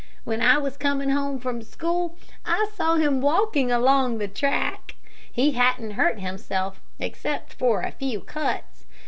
When I was coming from school, I saw him walking along the track. He hadn't hurt himself, except for a few cuts.